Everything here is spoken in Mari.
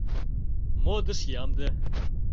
— Модыш ямде.